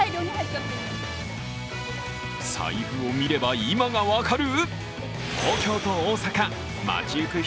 財布を見れば今が分かる？